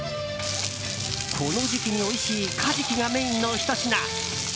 この時期においしいカジキがメインのひと品。